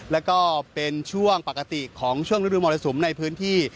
แล้วก็เป็นช่วงปกติของช่วงฤดูมรสุมในพื้นที่